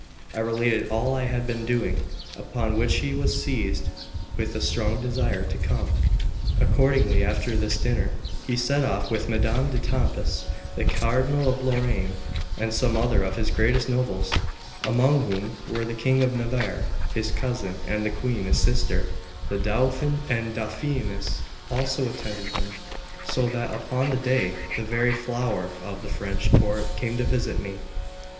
I related all I had been doing; upon which he was seized with a strong desire to come. Accordingly, after this dinner, he set off with Madame de Tampes, the Cardinal of Lorraine, and some other of his greatest nobles, among whom were the King of Navarre, his cousin, and the Queen, his sister; the Dauphin and Dauphinéss also attended him; so that upon that day the very flower of the French court came to visit me.